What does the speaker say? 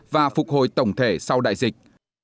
và phục hồi tổng thể sau đại dịch